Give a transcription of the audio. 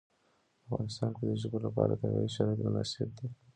په افغانستان کې د ژبو لپاره طبیعي شرایط مناسب دي.